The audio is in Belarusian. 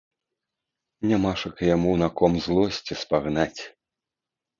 Нямашака яму на ком злосці спагнаць.